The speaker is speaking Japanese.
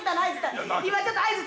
今ちょっと合図。